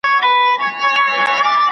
که پوښتنه سوې وای نو ابهام به نه و.